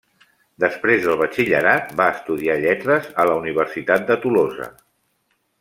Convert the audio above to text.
Després del batxillerat, va estudiar Lletres a la Universitat de Tolosa.